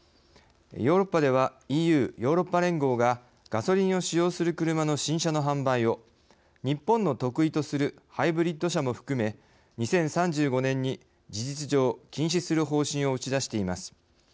ヨーロッパではＥＵヨーロッパ連合がガソリンを使用する車の新車の販売を日本の得意とするハイブリッド車も含め２０３５年に事実上禁止する方針を打ち出しています。